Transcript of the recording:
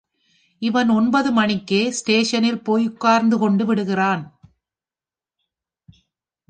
இவன் ஒன்பது மணிக்கே ஸ்டேஷனில் போய் உட்கார்ந்து கொண்டு விடுகிறான்.